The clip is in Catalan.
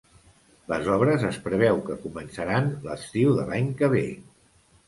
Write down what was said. Les obres es preveu que començaran l’estiu de l’any que ve.